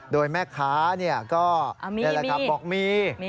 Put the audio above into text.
โดยแม่ค้าเนี่ยก็มีมีบอกมี